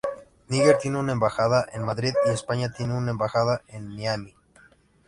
Níger tiene una embajada en Madrid y España tiene una embajada en Niamey.